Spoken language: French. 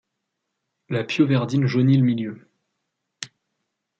La pyoverdine jaunit le milieu.